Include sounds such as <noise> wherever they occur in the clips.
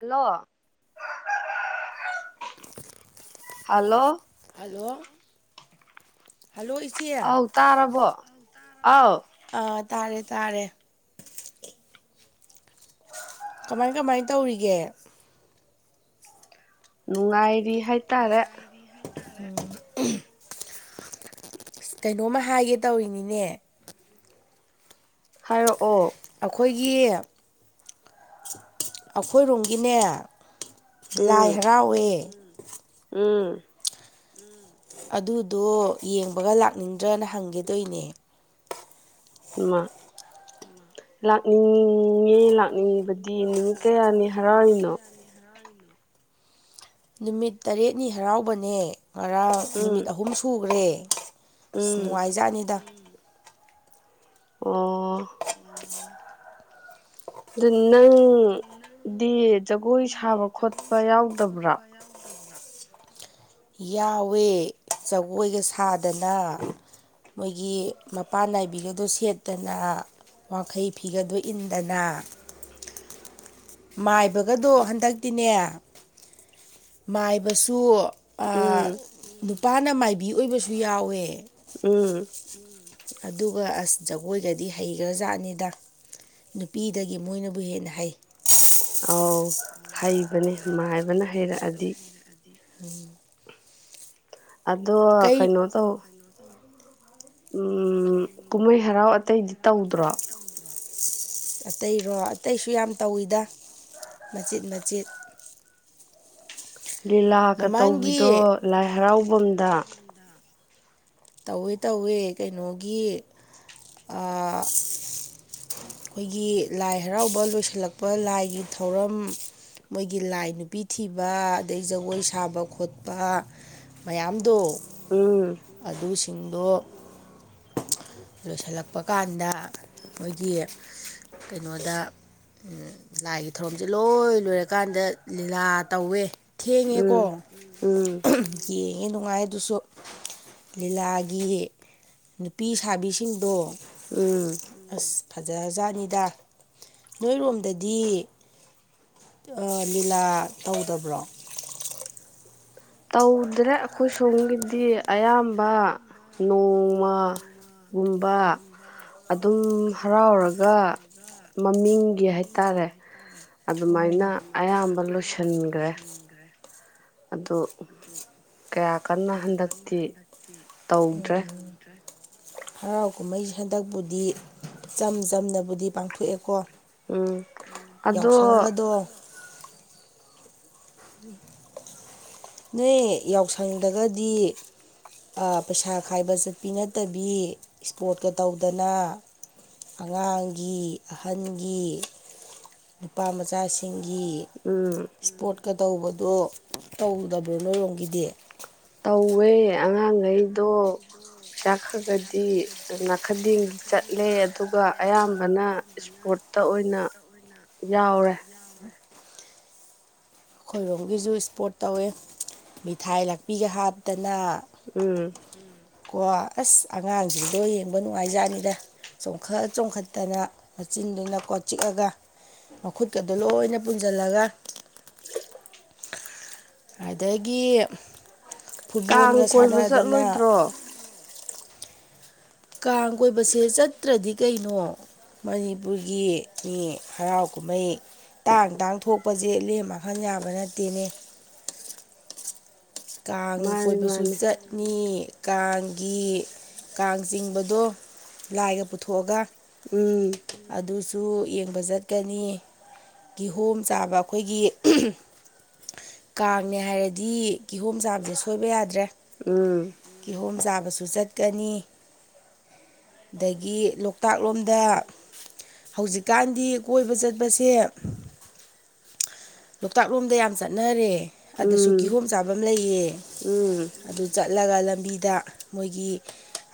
hello hello hello hello ꯏꯆꯦ ꯑ ꯑꯧ ꯇꯥꯔꯕꯣ ꯑꯥꯎ ꯇꯥꯔꯦ ꯇꯥꯔꯦ ꯀꯃꯥꯏ ꯀꯃꯥꯏ ꯇꯧꯔꯤꯒꯦ ꯅꯨꯡꯉꯥꯏꯔꯤ ꯍꯥꯏꯇꯥꯔꯦ ꯀꯩꯅꯣꯝꯃ ꯍꯥꯏꯒꯦ ꯇꯧꯔꯤꯅꯤꯅꯦ ꯍꯥꯏꯔꯛꯑꯣ ꯑꯩꯈꯣꯏꯒꯤ ꯑꯈꯣꯏ ꯔꯣꯝꯒꯤꯅꯦ ꯂꯥꯏ ꯎꯝ ꯍꯔꯥꯎꯋꯦ <inaudible> ꯎꯝ ꯑꯗꯨꯗꯣ ꯌꯦꯡꯕꯒ ꯂꯥꯛꯅꯤꯡꯗ꯭ꯔꯅ ꯍꯪꯒꯦ ꯇꯣꯏꯅꯦ ꯏꯃꯥ ꯂꯥꯛꯅꯤꯡꯉꯦ ꯂꯥꯛꯅꯤꯡꯕꯗꯤ ꯅꯨꯃꯤꯠ ꯀꯌꯥꯅꯤ ꯍꯔꯥꯎꯔꯤꯅꯣ ꯅꯨꯃꯤꯠ ꯇꯔꯦꯠꯅꯤ ꯍꯔꯥꯎꯕꯅꯦ ꯉꯔꯥꯡ ꯎꯝ ꯅꯨꯃꯤꯠ ꯑꯍꯨꯝ ꯁꯨꯒ꯭ꯔꯦ <unintelligible> ꯑꯁ ꯎꯝ ꯅꯨꯡꯉꯥꯏꯖꯥꯅꯤꯗ ꯑꯣ ꯗꯨ ꯅꯪꯗꯤ ꯖꯒꯣꯏ ꯁꯥꯕ ꯈꯣꯠꯄ ꯌꯥꯎꯗꯕ꯭ꯔꯣ ꯌꯥꯎꯋꯦ ꯖꯒꯣꯏꯒ ꯁꯥꯗꯅ ꯃꯣꯏꯒꯤ ꯃꯄꯥꯟ ꯅꯥꯏꯕꯤꯒꯗꯣ ꯁꯦꯠꯇꯅ ꯋꯥꯡꯈꯩ ꯐꯤꯒꯗꯣ ꯏꯟꯗꯅ ꯃꯥꯏꯕꯒꯗꯣ ꯍꯟꯗꯛꯇꯤꯅꯦ ꯃꯥꯏꯕꯁꯨ ꯎꯝ ꯄꯥꯅ ꯃꯥꯏꯕꯤ ꯑꯣꯏꯕꯁꯨ ꯌꯥꯎꯋꯦ ꯎꯝ ꯑꯗꯨꯒ ꯑꯁ ꯖꯒꯣꯏꯒꯗꯤ ꯍꯩꯈ꯭ꯔꯖꯥꯠꯅꯤꯗ ꯅꯨꯄꯤꯗꯒꯤ ꯃꯣꯏꯅꯕꯨ ꯍꯦꯟꯅ ꯍꯩ ꯑꯧ ꯍꯩꯕꯅꯦ ꯃꯥꯏꯕꯅ ꯍꯩꯔꯛꯑꯗꯤ ꯎꯝ ꯑꯗꯣ ꯀꯩꯅꯣ ꯇꯧ ꯎꯝ ꯀꯨꯝꯍꯩ ꯍꯔꯥꯎ ꯑꯇꯩꯗꯤ ꯇꯧꯗ꯭ꯔꯣ ꯑꯇꯩꯔꯣ ꯑꯇꯩꯁꯨ ꯌꯥꯝ ꯇꯧꯋꯤꯗ ꯃꯆꯤꯠ ꯃꯆꯤꯠ ꯂꯤꯂꯥꯀ ꯇꯧꯕꯤꯗꯣ ꯃꯃꯥꯡꯒꯤ ꯂꯥꯏ ꯍꯔꯥꯎꯕꯝ ꯗ ꯇꯧꯋꯦ ꯇꯧꯋꯦ ꯀꯩꯅꯣꯒꯤ ꯑ ꯈꯣꯏꯒꯤ ꯂꯥꯏ ꯍꯔꯥꯎꯕ ꯂꯣꯏꯁꯤꯜꯂꯛꯄ ꯂꯥꯏꯒꯤ ꯊꯧꯔꯝ ꯃꯣꯏꯒꯤ ꯂꯥꯏ ꯅꯨꯄꯤ ꯊꯤꯕ ꯑꯗꯩ ꯖꯒꯣꯏ ꯁꯥꯕ ꯈꯣꯠꯄ ꯃꯌꯥꯝꯗꯣ ꯎꯝ ꯑꯗꯨꯁꯤꯡꯗꯣ ꯂꯣꯏꯁꯤꯜꯂꯛꯄ ꯀꯥꯟꯗ ꯃꯣꯏꯒꯤ ꯀꯩꯅꯣꯗ ꯎꯝ ꯂꯥꯏꯒꯤ ꯊꯧꯔꯝꯁꯦ ꯂꯣꯏ ꯂꯣꯏꯔꯀꯥꯟꯗ ꯂꯤꯂꯥ ꯇꯧꯋꯦ ꯎꯝ ꯊꯦꯡꯉꯦꯀꯣ ꯎꯝ ꯌꯦ ꯉꯦ ꯅꯨꯡꯉꯥꯏ ꯑꯗꯨꯁꯨ ꯂꯤꯂꯥꯒꯤ ꯅꯨꯄꯤ ꯁ ꯁꯥꯕꯤꯁꯤꯡꯗꯣ ꯎꯝ ꯑꯁ ꯐꯖꯖꯥꯅꯤꯗ ꯅꯣꯏꯔꯣꯝꯗꯗꯤ ꯑ ꯂꯤꯂꯥ ꯇꯧꯗꯕ꯭ꯔꯣ ꯇꯧꯗꯦꯗ ꯑꯈꯣꯏ ꯁꯣꯝꯒꯤꯗꯤ ꯑꯌꯥꯝꯕ ꯅꯣꯡꯃꯒꯨꯝꯕ ꯑꯗꯨꯝ ꯍꯔꯥꯎꯔꯒ ꯃꯃꯤꯡꯒꯤ ꯍꯩ ꯇꯥꯔꯦ ꯑꯗꯨꯃꯥꯏꯅ ꯑꯗꯨꯃꯥꯏꯅ ꯑꯌꯥꯝꯕ ꯂꯣꯏꯁꯤꯟꯒꯔ꯭ꯦ ꯑꯗꯨ ꯀꯌꯥ ꯀꯟꯅ ꯍꯟꯗꯛꯇꯤ ꯇꯧꯗ꯭ꯔꯦ ꯍꯔꯥꯎ ꯀꯨꯝꯃꯩꯁꯦ ꯍꯟꯗꯛꯄꯨꯗꯤ ꯆꯝ ꯆꯝꯅꯕꯨꯗꯤ ꯄꯥꯡꯊꯣꯛꯑꯦꯀꯣ ꯎꯝ ꯑꯗꯣ ꯌꯥꯎꯁꯪꯒꯗꯣ ꯅꯣꯏ ꯌꯥꯎꯁꯪꯗꯒꯗꯤ ꯑ ꯄꯩꯁꯥ ꯈꯥꯏꯕ ꯆꯠꯄꯤ ꯅꯠꯇꯕꯤ ꯁ꯭ꯄꯣꯔꯠꯀ ꯇꯧꯗꯅ ꯑꯉꯥꯡꯒꯤ ꯑꯍꯟꯒꯤ ꯅꯨꯄꯥ ꯃꯆꯥꯁꯤꯡ ꯒꯤ ꯎꯝ ꯁ꯭ꯄꯣꯔꯠ ꯇꯧꯕꯗꯣ ꯇꯧꯗꯕ꯭ꯔꯣ ꯅꯣꯏꯔꯣꯝꯒꯤꯗꯤ ꯇꯧꯋꯦ ꯑꯉꯥꯡꯒꯩꯗꯣ ꯄꯩꯁꯥ ꯈꯒꯗꯤ ꯅꯥꯈꯗꯦꯡꯒꯤ ꯆꯠꯂꯦ ꯑꯗꯨꯒ ꯑꯌꯥꯝꯕꯅ ꯏꯁꯄꯣꯔꯠꯇ ꯑꯣꯏꯅ ꯌꯥꯎꯔꯦ ꯑꯩꯈꯣꯏꯔꯣꯝꯒꯤꯁꯨ ꯏꯁꯄꯣꯔꯠ ꯇꯧꯋꯦ ꯃꯤꯊꯥꯏ ꯂꯥꯛꯄꯤꯒ ꯍꯥꯞꯇꯅ ꯎꯝ <unintelligible> ꯀꯣ ꯑꯁ ꯑꯉꯥꯡꯁꯤꯡꯗꯣ ꯌꯦꯡꯕ ꯅꯨꯡꯉꯥꯏꯖꯥꯠꯅꯤꯗ ꯆꯣꯡꯈꯠ ꯆꯣꯡꯈꯠꯇꯅ ꯃꯆꯤꯟꯗꯨꯅ ꯀꯣ ꯆꯤꯛꯑꯒ ꯃꯈꯨꯠꯀꯗꯣ ꯂꯣꯏꯅ ꯄꯨꯟꯁꯤꯜꯂꯒ ꯑꯗꯒꯤ ꯀꯥꯡ ꯐꯨꯠꯕꯣꯜꯒ ꯀꯣꯏꯕ ꯁꯥꯟꯅꯗꯅ ꯆꯠꯂꯣꯏꯗ꯭ꯔꯣ ꯀꯥꯡ ꯀꯣꯏꯕꯁꯦ ꯆꯠꯇ꯭ꯔꯗꯤ ꯀꯩꯅꯣ ꯃꯅꯤꯄꯨꯔꯒꯤ ꯃꯤ ꯍꯔꯥꯎ ꯀꯨꯝꯍꯩ ꯇꯥꯡ ꯇꯥꯡ ꯊꯣꯛꯄꯁꯦ ꯂꯦꯝ ꯃꯥꯡꯍꯟ ꯌꯥꯕ ꯅꯠꯇꯦꯅꯦ ꯀꯥꯡ ꯃꯥꯅꯤ ꯀꯣꯏꯕꯁꯨ ꯃꯥꯅꯤ ꯆꯠꯅꯤ ꯀꯥꯡꯒꯤ ꯀꯥꯡ ꯆꯤꯡꯕꯗꯣ ꯂꯥꯏꯒ ꯄꯨꯊꯣꯛꯑꯒ ꯎꯝ ꯑꯗꯨꯁꯨ ꯑꯗꯨꯨ ꯌꯦꯡꯕ ꯆꯠꯀꯅꯤ ꯀꯤꯍꯣꯝ ꯆꯥꯕ ꯑꯩꯈꯣꯏꯒꯤ ꯀꯥꯡꯅꯦ ꯍꯥꯏꯔꯗꯤ ꯀꯤꯍꯣꯝ ꯆꯥꯕꯁꯦ ꯁꯣꯏꯕ ꯌꯥꯗ꯭ꯔꯦ ꯎꯝ ꯑꯃꯁꯨ ꯆꯠꯀꯅꯤ ꯑꯗꯒꯤ ꯂꯣꯛꯇꯥꯛ ꯂꯣꯝꯗ ꯍꯧꯖꯤꯛꯀꯥꯟꯗꯤ ꯀꯣꯏꯕ ꯆꯠꯄꯁꯦ ꯂꯣꯛꯇꯥꯛ ꯂꯣꯝꯗ ꯌꯥꯝ ꯆꯠꯅꯔꯦ ꯑꯗꯨꯁꯨ ꯎꯝ ꯀꯤꯍꯣꯝ ꯆꯥꯐꯝ ꯂꯩꯌꯦ ꯎꯝ ꯑꯗꯨ ꯆꯠ ꯆꯠꯂꯒ ꯂꯝꯕꯤꯗ ꯃꯣꯏꯒꯤ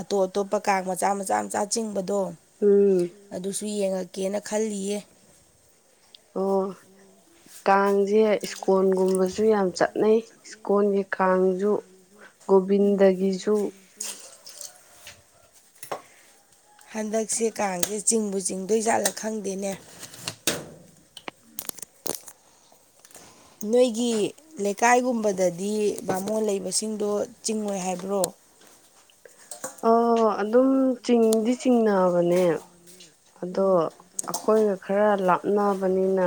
ꯑꯇꯣꯞ ꯑꯇꯣꯞꯄ ꯀꯥꯡ ꯃꯆꯥ ꯃꯆꯥ ꯃꯆꯥ ꯆꯤꯡꯕꯗ ꯑꯣ ꯎꯝ ꯑꯗꯨ ꯁꯨ ꯌꯦꯡꯉꯛꯀꯦꯅ ꯈꯜꯂꯤꯌꯦ ꯑꯣ ꯀꯥꯡꯁꯦ ꯏꯁꯀꯣꯟꯒꯨꯝꯕꯁꯨ ꯌꯥꯝ ꯆꯠꯅꯩ ꯏꯁꯀꯣꯟꯒꯤ ꯀꯥꯡꯁꯨ ꯣꯕꯤꯗ ꯒꯤꯖꯨ ꯍꯟꯗꯛꯁꯦ ꯀꯥꯡꯁꯦ ꯆꯤꯡꯕꯨ ꯆꯤꯡꯗꯣꯏꯖꯥꯠꯂ ꯈꯪꯗꯦꯅꯦ ꯅꯣꯏꯒꯤ ꯂꯩꯀꯥꯏꯒꯨꯝꯕꯗꯗꯤ ꯕꯥꯃꯣꯟ ꯂꯩꯕꯁꯤꯡꯗꯣ ꯆꯤꯡꯉꯣꯏ ꯍꯥꯏꯕ꯭ꯔꯣ ꯑꯣ ꯑꯗꯨꯝ ꯆꯤꯡꯗꯤ ꯆꯤꯡꯅꯕꯅꯦ ꯑꯗꯣ ꯑꯩꯈꯣꯏꯒ ꯈꯔ ꯂꯥꯞꯅꯕꯅꯤꯅ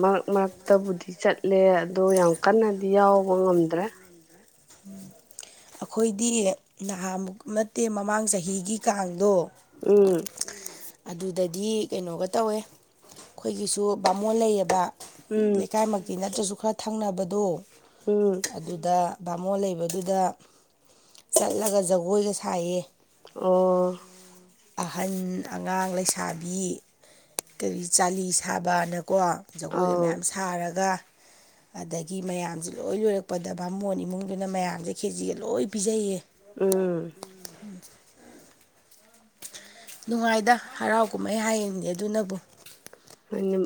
ꯃꯔꯛ ꯃꯔꯛꯇꯕꯨꯗꯤ ꯆꯠꯂꯦ ꯑꯗꯣ ꯌꯥꯝ ꯀꯟꯅꯗꯤ ꯌꯥꯎꯕ ꯉꯝꯗ꯭ꯔꯦ ꯑꯩꯈꯣꯏꯗꯤ ꯅꯍꯥꯃꯨꯛ ꯅꯠꯇꯦ ꯃꯃꯥꯡ ꯆꯍꯤꯒꯤ ꯀꯥꯡꯗꯣ ꯎꯝ ꯑꯗꯨꯗꯗꯤ ꯀꯩꯅꯣꯒ ꯇꯧꯋꯦ ꯑꯩꯈꯣꯏꯒꯤꯁꯨ ꯕꯥꯃꯣꯟ ꯂꯩꯌꯦꯕ ꯎꯝ ꯂꯩꯀꯥꯏꯃꯛꯇꯤ ꯅꯠꯇ꯭ꯔꯁꯨ ꯈꯔ ꯊꯪꯅꯕꯗꯣ ꯎꯝ ꯑꯗꯨꯗ ꯕꯥꯃꯣꯟ ꯂꯩꯕꯗꯨꯗ ꯆꯠꯂꯒ ꯖꯒꯣꯏꯒ ꯁꯥꯏꯌꯦ ꯑꯣ ꯑꯍꯟ ꯑꯉꯥꯡ ꯂꯩꯁꯥꯕꯤ ꯀꯔꯤ ꯆꯥꯂꯤ ꯁꯥꯕꯅ ꯀꯣ ꯖꯒꯣꯏꯒ ꯑꯥꯎ ꯃꯌꯥꯝ ꯁꯥꯔꯒ ꯑꯗꯒꯤ ꯃꯌꯥꯝꯁꯦ ꯂꯣꯏ ꯂꯣꯏꯔꯛꯄꯗ ꯚꯃꯣꯟ ꯏꯃꯨꯡꯗꯨꯅ ꯃꯌꯥꯝꯁꯦ ꯀꯦꯖꯤꯒ ꯂꯣꯏ ꯄꯤꯖꯩꯌꯦ ꯎꯝ ꯅꯨꯡꯉꯥꯏꯗ ꯍꯔꯥꯎ ꯀꯨꯝꯍꯩ ꯍꯥꯏꯌꯦꯡꯅꯦ ꯑꯗꯨꯅꯕꯨ ꯅ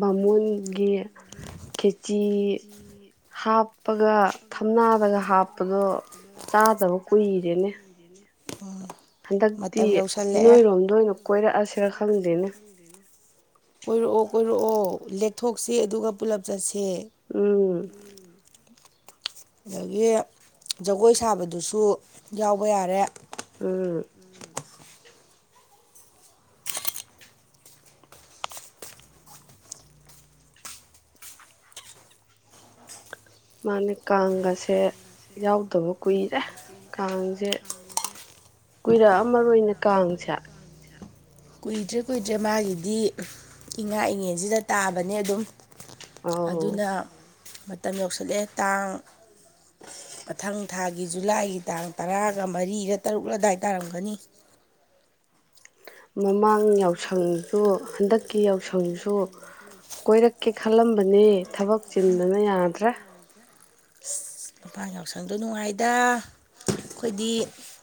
ꯕꯥꯃꯣꯟꯒꯤ ꯈꯦꯆꯤ ꯍꯥꯞ ꯎꯄꯒ ꯊꯝꯅꯥꯔꯒ ꯍꯥꯞꯄꯗꯣ ꯆꯥꯗꯕ ꯀꯨꯏꯔꯦꯅꯦ ꯑꯣ ꯍꯟꯗꯛꯇꯤ ꯅꯣꯏꯔꯣꯝꯗ ꯑꯣꯏꯅ ꯀꯣꯏꯔꯛꯑꯁꯤꯔ ꯈꯪꯗꯦꯅꯦ ꯀꯣꯏꯔꯛꯑꯣ ꯀꯣꯏꯔꯛꯑꯣ ꯂꯦꯛꯊꯣꯛꯁꯤ ꯑꯗꯨꯒ ꯄꯨꯂꯞ ꯆꯠꯁꯤ ꯍꯦ ꯎꯝ ꯑꯗꯒꯤ ꯖꯒꯣꯏ ꯁꯥꯕꯗꯨꯁꯨ ꯌꯥꯎꯕ ꯌꯥꯔꯦ ꯎꯝ ꯃꯥꯅꯦ ꯀꯥꯡꯒꯁꯦ ꯌꯥꯎꯗꯕ ꯀꯨꯏꯔꯦ ꯀꯥꯡꯁꯦ ꯀꯨꯏꯔꯛꯑ ꯃꯔꯣꯏꯅꯦ ꯀꯥꯡꯁꯦ ꯀꯨꯏꯗ꯭ꯔꯦ ꯀꯨꯏꯗ꯭ꯔꯦ ꯃꯥꯒꯤꯗꯤ ꯏꯉꯥ ꯏꯉꯦꯟꯁꯤꯗ ꯇꯥꯕꯅꯦ ꯑꯗꯨꯝ ꯑꯧ ꯑꯗꯨꯅ ꯃꯇꯝ ꯌꯧꯁꯤꯜꯂꯑꯦ ꯇꯥꯡ ꯃꯊꯪ ꯊꯥꯒꯤ ꯖꯨꯂꯥꯏꯒꯤ ꯇꯥꯡ ꯇꯔꯥꯒ ꯃꯔꯤꯒ ꯇꯔꯨꯛ ꯑꯗꯥꯏ ꯇꯥꯔꯝꯒꯅꯤ ꯃꯃꯥꯡ ꯌꯥꯎꯁꯪꯁꯨ ꯍꯟꯗꯛꯀꯤ ꯌꯥꯎꯁꯪꯁꯨ ꯀꯣꯏꯔꯛꯀꯦ ꯈꯜꯂꯝꯕꯅꯤ ꯊꯕꯛ ꯆꯤꯟꯗꯅ ꯌꯥꯗ꯭ꯔꯥ ꯃꯄꯥꯟ ꯌꯥꯎꯁꯪꯗꯣ ꯅꯨꯡꯉꯥꯏꯗ ꯑꯩꯈꯣꯏꯗꯤ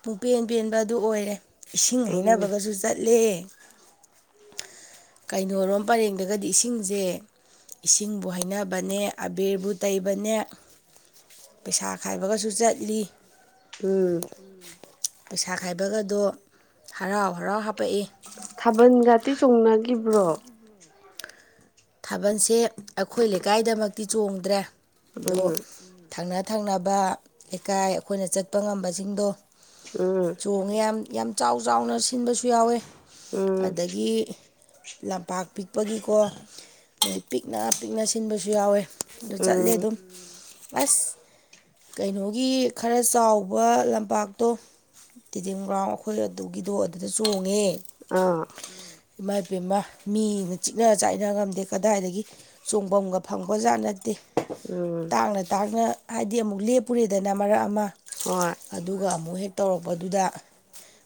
ꯄꯨꯡꯄꯦꯟ ꯄꯦꯟꯕ ꯑꯗꯨ ꯑꯣꯏꯔꯦ ꯏꯁꯤꯡ ꯎꯝ ꯍꯩꯅꯕꯒꯁꯨ ꯆꯠꯂꯦ <inaudible> ꯀꯩꯅꯣꯣꯔꯣꯝ ꯄꯔꯦꯡꯗꯒꯗꯤ ꯏꯁꯤꯡꯁꯦ ꯏꯁꯤꯡꯕꯨ ꯍꯩꯅꯕꯅꯦ ꯑꯕꯦꯔꯕꯨ ꯇꯩꯕꯅꯦ ꯄꯩꯁꯥ ꯈꯥꯏꯕꯒꯁꯨ ꯆꯠꯂꯤ ꯎꯝ ꯄꯩꯁꯥ ꯈꯥꯏꯕꯒꯗꯣ ꯍꯔꯥꯎ ꯍꯔꯥꯎ ꯍꯥꯄꯛꯏ ꯊꯥꯕꯜꯒꯇꯤ ꯆꯣꯡꯅꯈꯤꯕ꯭ꯔꯣ ꯊꯥꯕꯜꯁꯦ ꯑꯩꯈꯣꯏ ꯂꯩꯀꯥꯏꯗꯃꯛꯇꯤ ꯆꯣꯡꯗ꯭ꯔꯦ ꯑꯗꯨ ꯎꯝ ꯊꯪꯅ ꯊꯪꯅꯕ ꯂꯩꯀꯥꯏ ꯑꯩꯈꯣꯏꯅ ꯆꯠꯄ ꯉꯝꯕꯁꯤꯡꯗꯣ ꯎꯝ ꯆꯣꯡꯉꯦ ꯌꯥꯝ ꯌꯥꯝ ꯆꯥꯎ ꯆꯥꯎꯅ ꯁꯤꯟꯕꯁꯨ ꯌꯥꯎꯋꯦ ꯎꯝ ꯑꯗꯒꯤ ꯂꯝꯄꯥꯛ ꯄꯤꯛꯄꯒꯤꯀꯣ ꯑꯩ ꯄꯤꯛꯅ ꯄꯤꯛꯅ ꯁꯤꯟꯕꯁꯨ ꯌꯥꯎꯋꯦ ꯑꯗꯨ ꯆꯠꯂꯦ ꯎꯝ ꯑꯗꯨꯝ ꯑꯁ ꯀꯩꯅꯣꯒꯤ ꯈꯔ ꯆꯥꯎꯕ ꯂꯝꯄꯥꯛꯇꯣ ꯇꯤꯗꯤꯦꯝ ꯒ꯭ꯔꯥꯎꯟ ꯑꯩꯈꯣꯏ ꯑꯗꯨꯒꯤꯗꯣ ꯑꯗꯨꯗ ꯆꯣꯡꯉꯦ ꯑꯥ ꯏꯃꯥ ꯏꯕꯄꯥꯃ ꯃꯤꯅ ꯆꯤꯛꯅ ꯆꯥꯏꯅ ꯉꯝꯗꯦ ꯀꯗꯥꯏꯗꯒꯤ ꯆꯣꯡꯐꯝꯝꯒ ꯐꯪꯕꯖꯥꯠ ꯅꯠꯇꯦ ꯎꯝ ꯇꯥꯡꯅ ꯇꯥꯡꯅ ꯍꯥꯏꯗꯤ ꯑꯃꯨꯛ ꯂꯦꯞꯄꯨꯔꯦꯗꯅ ꯃꯔꯛ ꯑꯃ ꯍꯣꯏ ꯑꯣ ꯑꯗꯨꯒ ꯑꯃꯨꯛ ꯍꯦꯛ ꯇꯧꯔꯛꯄꯗꯨꯗ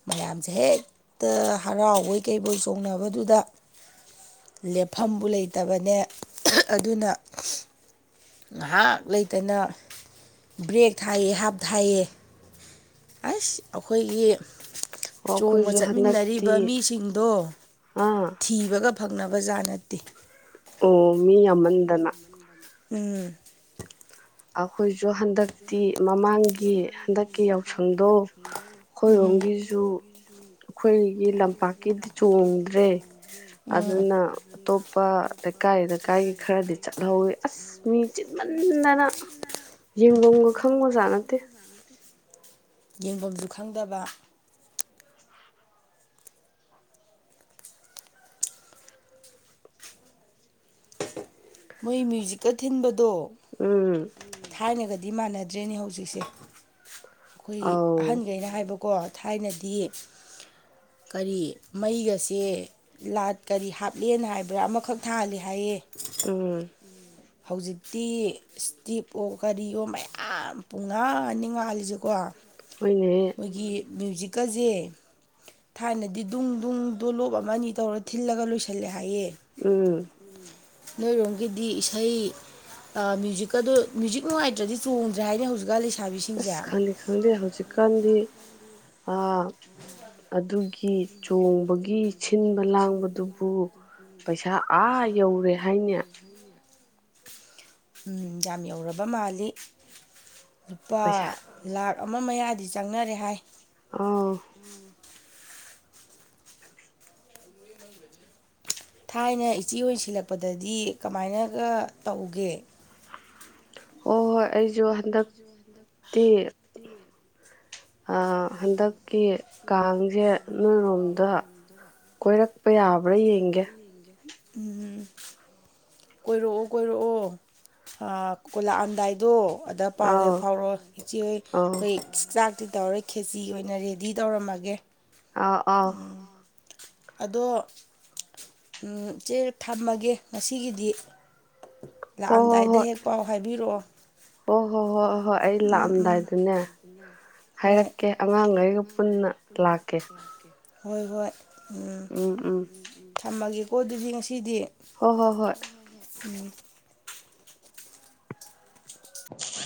ꯃꯌꯥꯝꯁꯦ ꯍꯦꯛꯇ ꯍꯔꯥꯎꯕꯣꯏ ꯀꯩꯕꯣꯏ ꯆꯣꯡꯅꯕꯗꯨꯗ ꯂꯦꯞꯐꯝꯕꯨ ꯂꯩ ꯐꯠꯇꯕꯅꯦ ꯑꯗꯨꯅ ꯉꯍꯥꯛ ꯂꯩꯇꯅ ꯕ꯭ꯔꯦꯛ ꯊꯥꯏꯌꯦ ꯍꯥꯞ ꯊꯥꯏꯌꯦ ꯑꯁ ꯑꯈꯣꯏꯒꯤ ꯆꯣꯡꯕ ꯑꯩꯈꯣꯏꯁꯨ ꯍꯟꯗꯛꯇꯤ ꯆꯠꯃꯤꯟꯅꯔꯤꯕ ꯃꯤꯁꯤꯡꯗꯣ ꯑꯥ ꯊꯤꯕꯒ ꯐꯪꯅꯝ ꯕꯖꯥ ꯅꯠꯇꯦ ꯑꯣ ꯃꯤ ꯌꯥꯃꯟꯗꯅ ꯎꯝ ꯑꯛ ꯑꯈꯣꯏꯁꯨ ꯍꯟꯗꯛꯇꯤ ꯃꯃꯥꯡꯒꯤ ꯍꯟꯗꯛ ꯀꯤ ꯌꯥꯥꯎꯁ ꯈꯪꯗꯣ ꯎꯝ ꯈꯣꯏꯔꯣꯝꯒꯤꯁꯨ ꯑꯈꯣꯏꯒꯤ ꯂꯝꯄꯥꯛꯀꯤ ꯗꯤ ꯆꯣꯡꯗ꯭ꯔꯦ ꯎꯝ ꯑꯗꯨꯅ ꯑꯇꯣꯞꯄ ꯀꯥꯏꯗ ꯀꯥꯏꯒꯤ ꯈꯔꯗꯤ ꯆꯠꯍꯧꯋꯤ ꯑꯁ ꯃꯤ ꯆꯤꯟꯃꯟꯅꯅ ꯌꯦꯡꯕꯝꯒ ꯈꯪꯕꯖꯥꯠ ꯅꯠꯇꯦ ꯌꯦꯡꯕꯝꯖꯨ ꯈꯪꯗꯕ ꯃꯣꯏ ꯃ꯭ꯌꯨꯖꯤꯛꯀ ꯊꯤꯟꯕꯗꯣ ꯎꯝ ꯊꯥꯏꯅꯦ ꯒꯠ ꯗꯤ ꯃꯥꯟꯅꯗ꯭ꯔꯦꯅꯦ ꯍꯧꯖꯤꯛꯁꯦ ꯑꯈꯣꯏ ꯑꯧ ꯑꯍꯟꯒꯩꯅ ꯍꯥꯏꯕ ꯀꯣ ꯊꯥꯏꯅꯗꯤ ꯀꯔꯤ ꯃꯩꯒꯁꯦ ꯂꯥꯠ ꯀꯔꯤ ꯍꯥꯞꯂꯦꯟ ꯍꯥꯏꯕ꯭ꯔꯥ ꯑꯃꯈꯛ ꯊꯥꯍꯂꯦ ꯍꯥꯏꯌꯦ ꯎꯝ ꯍꯧꯖꯤꯛꯇꯤ ꯏꯁꯇꯤꯞ ꯑꯣ ꯀꯔꯤꯑꯣ ꯃꯌꯥꯝ ꯄꯨꯡꯉꯥꯟ ꯅꯤ ꯉꯥꯜꯂꯤꯁꯤꯀꯣ ꯍꯣꯏꯅꯦ ꯃ꯭ꯌꯨꯖꯤꯛꯀꯖꯦ ꯊꯥꯏꯅꯗꯤ ꯗꯨꯡ ꯗꯨꯡ ꯗꯨꯂꯣꯞ ꯑꯃ ꯅꯤ ꯇꯧꯔ ꯊꯤꯜꯂꯒ ꯂꯣꯏꯁꯤꯜꯂꯦ ꯍꯥꯏꯌꯦ ꯎꯝ ꯅꯣꯏꯔꯣꯝꯒꯤꯗꯤ ꯏꯁꯩ ꯑ ꯃ꯭ꯌꯨꯖꯤꯛꯀ ꯗꯨ ꯃ꯭ꯌꯨꯖꯤꯛ ꯅꯨꯡꯉꯥꯏꯇ꯭ꯔꯗꯤ ꯆꯣꯡꯗ꯭ꯔꯦ ꯍꯥꯏꯅ ꯍꯧꯖꯤꯛꯀꯥ ꯂꯩꯁ ꯑꯁ ꯈꯪꯗꯦ ꯈꯪꯗꯦ ꯍꯧꯖꯤꯛꯀꯥꯟꯗꯤ ꯑ ꯑꯗꯨꯒꯤ ꯆꯣꯡꯕꯒꯤ ꯁꯤꯟꯕ ꯂꯥꯡꯕꯗꯨꯕꯨ ꯄꯩꯁꯥ ꯑꯥ ꯌꯧꯔꯦ ꯍꯥꯏꯅꯦ ꯎꯝ ꯌꯥꯝ ꯌꯧꯔꯕ ꯃꯥꯜꯂꯤ ꯂꯨꯄꯥ ꯄꯩꯁꯥ ꯂꯥꯛ ꯑꯝ ꯃꯥ ꯃꯌꯥꯗꯤ ꯆꯪꯅꯔꯦ ꯍꯥꯏ ꯑꯧ ꯊꯥꯏꯅ ꯏꯆꯦꯑꯣꯏ ꯁꯤꯜꯂꯛꯄꯗꯗꯤ ꯀꯃꯥꯏꯅꯒ ꯇꯧꯒꯦ ꯍꯣꯏ ꯍꯣꯏ ꯑꯩꯁꯨ ꯍꯟꯗꯛ ꯇꯤ ꯑ ꯍꯟꯗꯛ ꯀꯤ ꯀꯥꯡꯁꯦ ꯅꯣꯏꯔꯣꯝꯗ ꯀꯣꯏꯔꯛꯄ ꯌꯥꯕ꯭ꯔꯥ ꯌꯦꯡꯒꯦ ꯎꯝ ꯀꯣꯏꯔꯛꯑꯣ ꯀꯣꯏꯔꯛꯑꯣ ꯀꯣꯏ ꯂꯥꯛꯑꯝꯗꯥꯏꯗꯣ ꯑꯗ ꯄꯥꯎ ꯍꯦꯛ ꯑꯥꯎ ꯐꯥꯎꯔꯛꯑꯣ ꯏꯆꯦ ꯑꯥꯎ ꯀꯩ ꯆꯥꯛ ꯑꯗꯨ ꯇꯧꯔꯦ ꯈꯦꯆꯤ ꯑꯣꯏꯅ ꯔꯦ ꯗꯤ ꯇꯧꯔꯝꯃꯒꯦ ꯑꯧ ꯑꯧ ꯑꯗꯣ ꯑꯝ ꯆꯦ ꯊꯝꯃꯒꯦ ꯉꯁꯤꯒꯤꯗꯤ ꯍꯣ ꯂꯥꯛꯑꯝꯗꯥꯏꯗ ꯍꯣꯏ ꯍꯦꯛ ꯄꯥꯎ ꯍꯥꯏꯕꯤꯔꯛꯑꯣ ꯍꯣ ꯍꯣ ꯍꯣ ꯍꯣꯏ ꯑꯩ ꯎꯝ ꯎꯝ ꯂꯥꯛꯑꯝꯗꯥꯏꯗꯅꯦ ꯍꯣꯏ ꯍꯥꯏꯔꯛꯀꯦ ꯑꯉꯥꯡꯈꯩꯒ ꯄꯨꯟꯅ ꯂꯥꯛꯀꯦ ꯍꯣꯏ ꯍꯣꯏ ꯎꯝ ꯊꯝꯃꯒꯦ ꯑꯣ ꯑꯗꯨꯗꯤ ꯉꯁꯤꯗꯤ ꯍꯣ ꯍꯣ ꯍꯣꯏ ꯎꯝ <unintelligible>